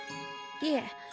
いえ。